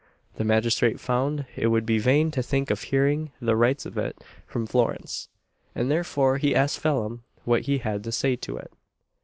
The magistrate found it would be vain to think of hearing "the rights of it" from Florence; and therefore he asked Phelim what he had to say to it.